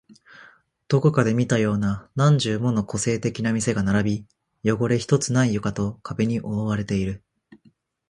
どこかで見たような何十もの個性的な店が並び、汚れ一つない床と壁に覆われている